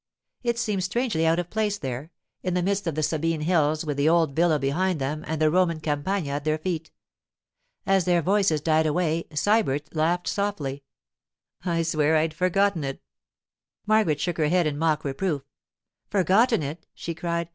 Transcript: It seemed strangely out of place there, in the midst of the Sabine hills, with the old villa behind them and the Roman Campagna at their feet. As their voices died away Sybert laughed softly. 'I swear I'd forgotten it!' Margaret shook her head in mock reproof. 'Forgotten it!' she cried.